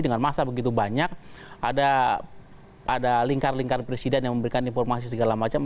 dengan masa begitu banyak ada lingkar lingkar presiden yang memberikan informasi segala macam